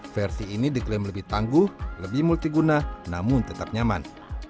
versi ini diklaim lebih tangguh lebih multiguna namun tetap nyaman